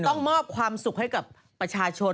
ต้องมอบความสุขให้กับประชาชน